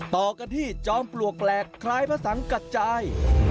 ต่อกันที่จอบปลวกแปลกคล้ายภาษังกัดใจ